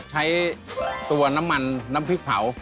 ใช้ตัวน้ำมันน้ำพริกเผา